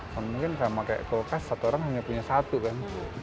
mungkin kalau pakai kulkas satu orang hanya punya satu kan